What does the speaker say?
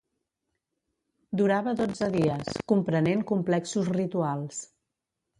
Durava dotze dies, comprenent complexos rituals.